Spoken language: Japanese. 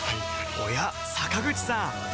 おや坂口さん